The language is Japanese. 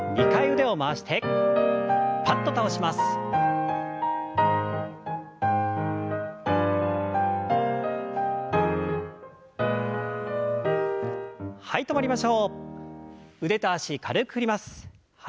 腕と脚軽く振ります。